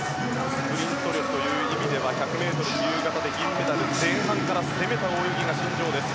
スプリント力という意味では１００ｍ自由形で銀メダル前半から攻めた泳ぎが身上です。